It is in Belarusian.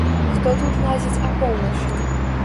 Хто тут лазіць апоўначы?